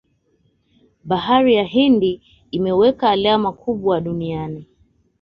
bahari ya hindi imeweka alama kubwa duniani